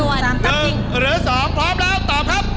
จริงหรือสองพร้อมแล้วตอบครับ